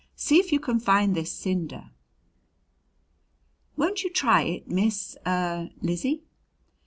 See if you can find this cinder." "Won't you try it, Miss er Lizzie?"